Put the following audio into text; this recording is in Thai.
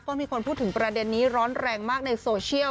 ก็มีคนพูดถึงประเด็นนี้ร้อนแรงมากในโซเชียล